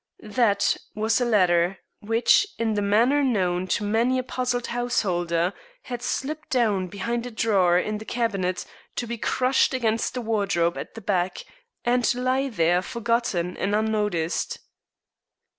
"That" was a letter, which, in the manner known to many a puzzled householder, had slipped down behind a drawer in the cabinet, to be crushed against the wardrobe at the back, and lie there forgotten and unnoticed.